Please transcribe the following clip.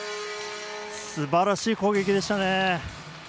すばらしい攻撃でしたね。